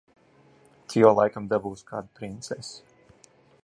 Tu jau laikam dabūsi kādu princesi.